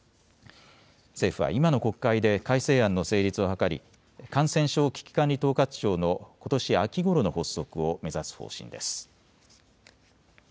政府は今の国会で改正案の成立を図り、感染症危機管理統括庁のことし秋ごろの発足を目指す方針です。